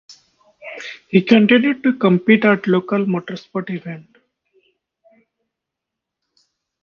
He continued to compete at local motorsport events.